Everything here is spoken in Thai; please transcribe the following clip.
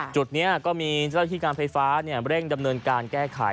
จุดนี้ก็มีเจ้าที่การไฟฟ้าเร่งดำเนินการแก้ไข